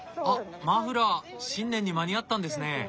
あっマフラー新年に間に合ったんですね！